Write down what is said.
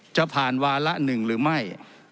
จะผ่านวาระหนึ่งหรือไม่